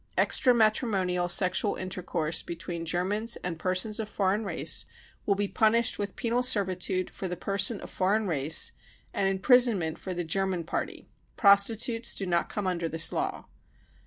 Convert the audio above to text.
Extra matrimonial sexual intercourse between Ger mans and persons of foreign race will be punished with penal servitude for the person of foreign race and imprisonment for the German party. Prostitutes do not come under this law.